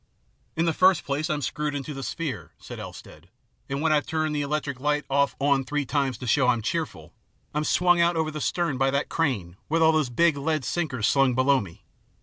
" In the first place, I'm screwed into the sphere," said Elstead, " and when I've turned the electric light off and on three times to show I'm cheerful, I'm swung out over the stern by that crane, with all those big lead sinkers slung below me.